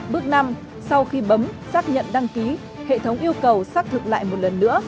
bước năm sau khi bấm xác nhận đăng ký hệ thống yêu cầu xác thực lại một lần nữa